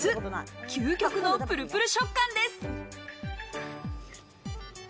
究極のプルプル食感です。